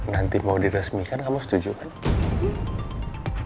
nanti mau diresmikan kamu setuju kan